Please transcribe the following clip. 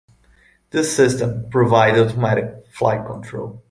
This system provides automatic flight control.